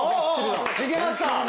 いけました。